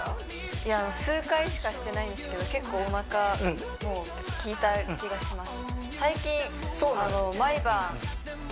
いや数回しかしてないんですけど結構おなかもうきいた気がします